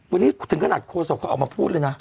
วันนี้ถึงขนาดโฆษกเขาออกมาพูดเลยนะ